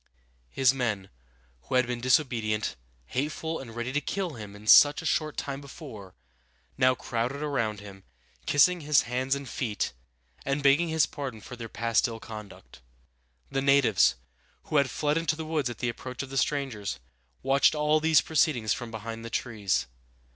His men, who had been disobedient, hateful, and ready to kill him such a short time before, now crowded around him, kissing his hands and feet, and begging his pardon for their past ill conduct. The natives, who had fled into the woods at the approach of the strangers, watched all these proceedings from behind the trees.